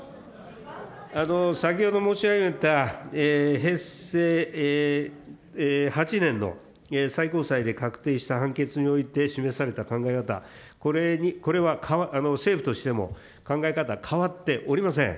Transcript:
先ほど申し上げた平成８年の最高裁で確定した判決において示された考え方、これは政府としても考え方、変わっておりません。